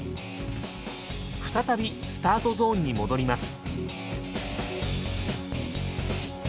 再びスタートゾーンに戻ります。